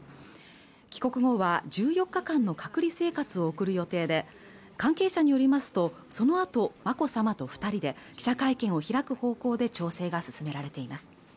帰国後は１４日間の隔離生活を送る予定で関係者によりますとそのあと眞子さまと二人で記者会見を開く方向で調整が進められています